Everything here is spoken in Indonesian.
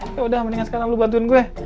yaudah mendingan sekarang lo bantuin gue